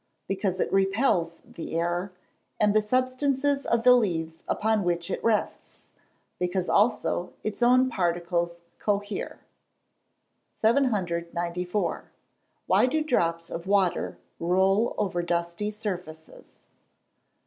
_ Because it repels the air, and the substances of the leaves upon which it rests. Because, also, its own particles cohere. 794. _Why do drops of water roll over dusty surfaces?